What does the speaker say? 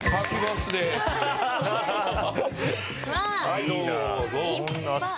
はいどうぞ。